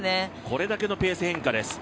これだけのペース変化です